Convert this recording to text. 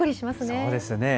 そうですよね。